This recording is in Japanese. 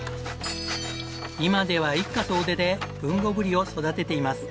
今では一家総出で豊後ぶりを育てています。